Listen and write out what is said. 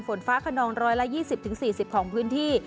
ฝนฟ้าขนอง๑๒๐๔๐ของพื้นที่